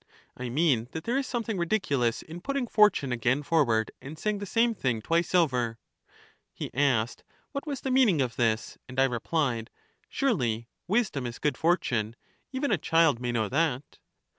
I mean that there is something ridiculous in putting fortune again forward, and saying the same thing twice over. EUTHYDEMUS 233 He asked what was the meaning of this, and I re pHed: Surely wisdom is good fortune; even a child may know that.